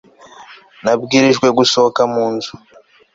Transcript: nabwirijwe gusohoka mu nzu